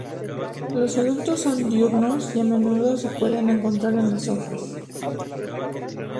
Los adultos son diurnos y a menudo se pueden encontrar en las hojas.